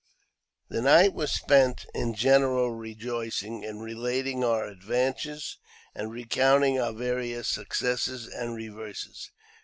The night was spent in general rejoicing, in relating our adventures, and recounting our various successes and reverses.